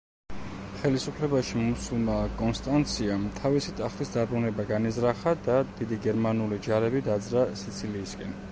ხელისუფლებაში მოსულმა კონსტანციამ თავისი ტახტის დაბრუნება განიზრახა და დიდი გერმანული ჯარები დაძრა სიცილიისკენ.